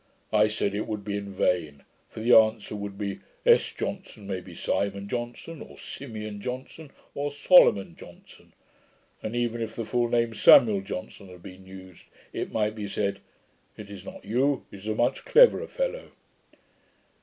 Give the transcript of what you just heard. I said, it would be in vain; for the answer would be, S. Johnson may be Simon Johnson, or Simeon Johnson, or Solomon Johnson; and even if the full name, Samuel Johnson, had been used, it might be said; "it is not you; it is a much cleverer fellow."